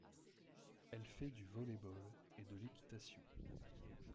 Elle fait du volley-ball et de l'équitation.